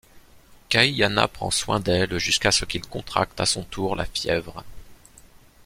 Kaiana prend soin d'elle jusqu'à ce qu'il contracte à son tour la fièvre.